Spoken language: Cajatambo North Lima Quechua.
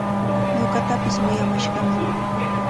Ñuqatapish muyamashqami.